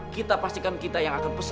kita pastikan kita yang akan pesan